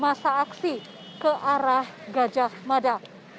masa aksi ke arah gajah mada